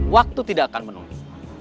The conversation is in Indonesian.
waktu tidak akan menunggu